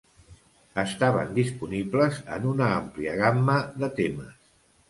Estaven disponibles en una àmplia gamma de temes.